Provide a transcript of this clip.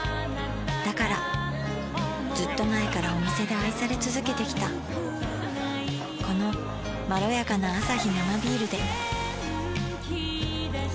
「だからずっと前からお店で愛され続けてきたこのまろやかなアサヒ生ビールで」